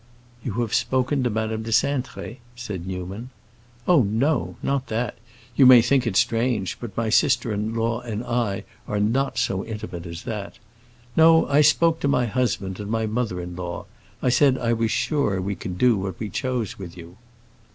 "You have spoken to Madame de Cintré?" said Newman. "Oh no, not that. You may think it strange, but my sister in law and I are not so intimate as that. No; I spoke to my husband and my mother in law; I said I was sure we could do what we chose with you."